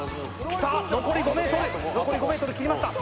きたー残り５ｍ残り５ｍ切りました